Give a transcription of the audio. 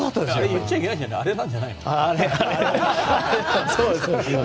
言っちゃいけないんじゃないアレじゃないの？